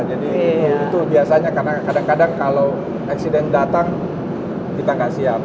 jadi itu biasanya karena kadang kadang kalau accident datang kita gak siap